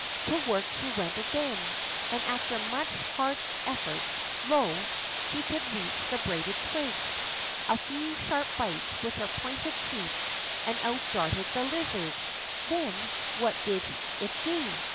To work she went again, and,* after much hard etfort, lo ! she could reach the braided twigs. A few sharp bites with her pointed teeth, and out darted the lizard. Then, what did it do?